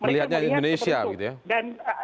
melihatnya indonesia gitu ya